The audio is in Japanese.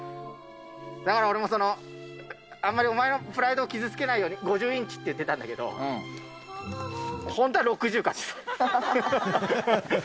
だから俺も、その、あんまりお前のプライドを傷つけないように５０インチって言ってたんだけど、本当は６０買っちゃった。